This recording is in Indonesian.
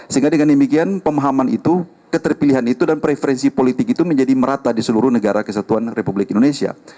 sehingga dengan demikian pemahaman itu keterpilihan itu dan preferensi politik itu menjadi merata di seluruh negara kesatuan republik indonesia